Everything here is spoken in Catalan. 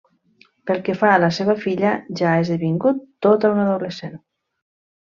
Pel que fa a la seva filla, ja ha esdevingut tota una adolescent.